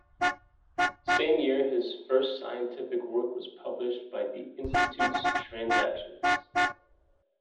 Same year his first scientific work was published by the institutes "Transactions".